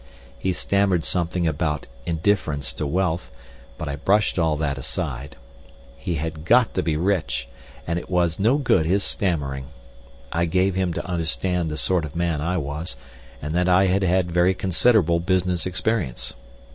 He stammered something about indifference to wealth, but I brushed all that aside. He had got to be rich, and it was no good his stammering. I gave him to understand the sort of man I was, and that I had had very considerable business experience.